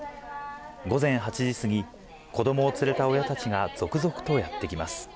午前８時過ぎ、子どもを連れた親たちが続々とやって来ます。